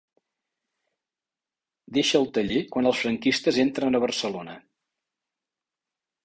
Deixa el taller quan els franquistes entren a Barcelona.